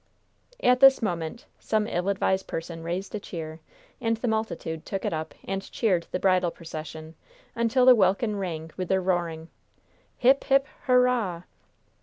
At this moment some ill advised person raised a cheer, and the multitude took it up and cheered the bridal procession until the welkin rang with their roaring. "Hip! hip!! hurrah!!!"